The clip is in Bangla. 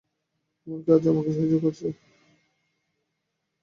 এমনকি, আজও ও আমাকে সাহায্য করেছে।